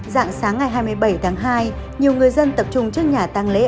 dạng sáng ngày hai mươi bảy tháng hai nhiều người dân tập trung trước nhà tăng lễ